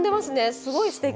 すごいすてき！